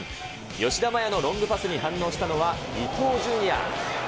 吉田麻也のロングパスに反応したのは、いとうじゅんや。